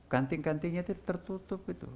ganting gantinya itu tertutup gitu